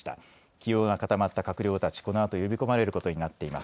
起用が固まった閣僚たち、このあと呼び込まれることになっています。